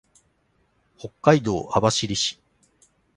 北海道網走市